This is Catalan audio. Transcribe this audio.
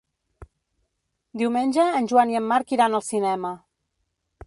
Diumenge en Joan i en Marc iran al cinema.